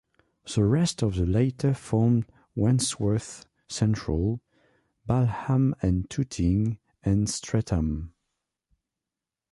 The rest of the latter formed Wandsworth Central, Balham and Tooting and Streatham.